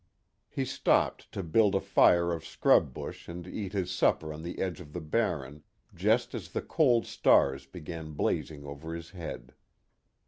He stopped to build a fire of scrub bush and eat his supper on the edge of the Barren just as the cold stars began blazing over his head.